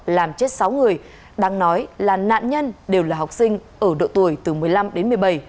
làm chết sáu người đang nói là nạn nhân đều là học sinh ở độ tuổi từ một mươi năm đến một mươi bảy